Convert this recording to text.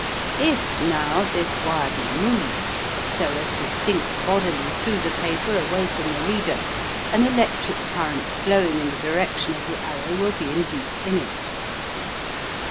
If, now, this wire be moved so as to sink bodily through the paper away from the reader, an electric current flowing in the direction of the arrow will be induced in it.